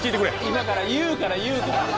今から言うから言うから。